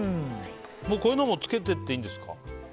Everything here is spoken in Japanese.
こういうのも付けていっていいんですか？